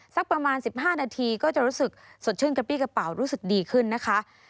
สักประมาณ๑๕นาทีก็จะรู้สึกสดชื่นกระปี้กระเป๋ารู้สึกดีขึ้นนะคะ